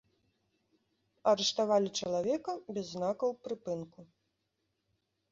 Арыштавалі чалавека без знакаў прыпынку.